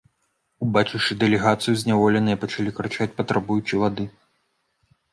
Убачыўшы дэлегацыю, зняволеныя пачалі крычаць, патрабуючы вады.